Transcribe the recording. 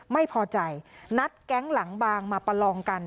ไม่พอใจนัดแก๊งหลังบางมาประลองกัน